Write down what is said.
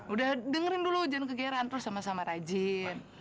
udah dengerin dulu jangan kegeran terus sama sama rajin